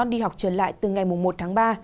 đi học trở lại từ ngày một tháng ba